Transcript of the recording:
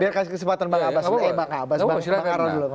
biar kasih kesempatan mbak abas